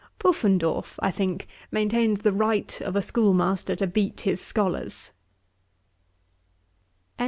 Puffendorf, I think, maintains the right of a schoolmaster to beat his scholars.'